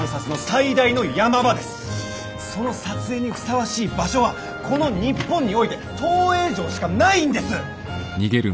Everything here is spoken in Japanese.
その撮影にふさわしい場所はこの日本において東映城しかないんです！